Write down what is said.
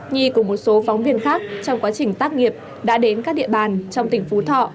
nhi cùng một số phóng viên khác trong quá trình tác nghiệp đã đến các địa bàn trong tỉnh phú thọ